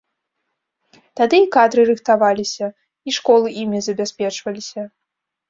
Тады і кадры рыхтаваліся, і школы імі забяспечваліся.